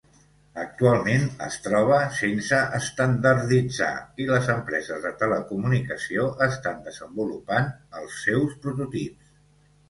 Actualment es troba sense estandarditzar i les empreses de telecomunicació estan desenvolupant els seus prototips.